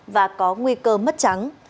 và có nguy cơ mất trắng